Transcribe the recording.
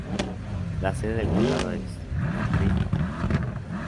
La sede del condado es Dandridge.